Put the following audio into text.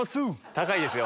高いですよ